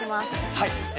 はい。